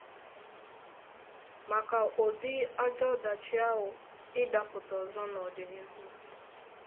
maka ụdị ajọ ọdachi ahụ ịdapụta ọzọ n'ọdịnihu.